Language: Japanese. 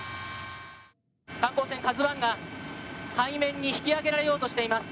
観光船「ＫＡＺＵ１」が海面に引き揚げられようとしています。